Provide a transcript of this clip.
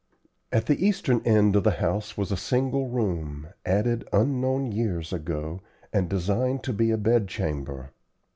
At the eastern end of the house was a single room, added unknown years ago, and designed to be a bed chamber.